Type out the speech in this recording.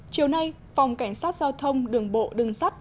chiều nay phòng cảnh sát giao thông đường bộ đường sắt